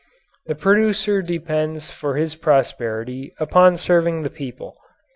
The producer depends for his prosperity upon serving the people.